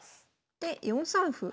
で４三歩。